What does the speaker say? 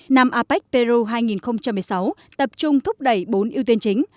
năm apec peru hai nghìn một mươi sáu tập trung thúc đẩy bốn ưu tiên chính